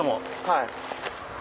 はい。